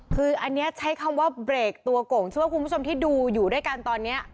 คืออันนี้ใช้คำว่าเบรกตัวโก่งชื่อว่าคุณผู้ชมที่ดูอยู่ด้วยกันตอนนี้